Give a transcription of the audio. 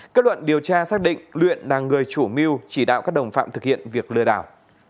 kết luận điều tra xác định luyện là người chủ mưu chỉ đạo các đồng phạm thực hiện việc lừa đảo